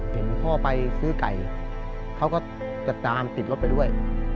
เห็นพ่อไปซื้อไก่เขาก็จะตามติดรถไปด้วย